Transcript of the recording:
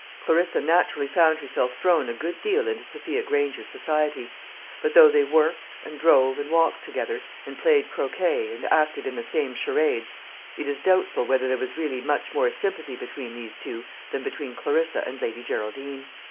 Clarissa naturally found herself thrown a good deal into Sophia Granger's society; but though they worked, and drove, and walked together, and played croquet, and acted in the same charades, it is doubtful whether there was really much more sympathy between these two than between Clarissa and Lady Geraldine.